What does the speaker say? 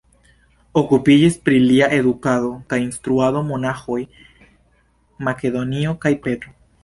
Okupiĝis pri lia edukado kaj instruado monaĥoj Makedonio kaj Petro.